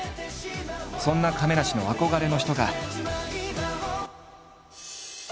そんな亀梨の憧れの人が。